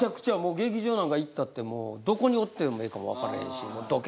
劇場なんか行ったってどこにおってええかも分からへんし「どけ！」